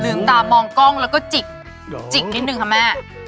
ลืมตามองกล้องแล้วก็จ่ิกจ่ิมินตึงค่ะแม่